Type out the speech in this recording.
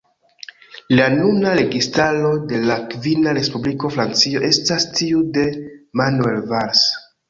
La nuna registaro de la kvina Respubliko Francio estas tiu de Manuel Valls.